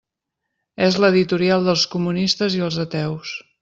És l'editorial dels comunistes i els ateus.